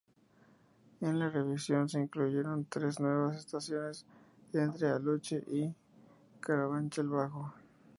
En la revisión se incluyeron tres nuevas estaciones entre Aluche y Carabanchel Bajo.